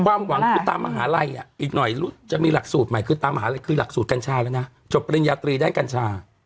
ความหวังคือตามมหาลัยอีกหน่อยจะมีหลักสูตรใหม่คือตามหาลัยคือหลักสูตรกัญชาแล้วนะจบปริญญาตรีด้านกัญชา